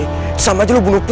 aku mau lihat tante tanpa malalu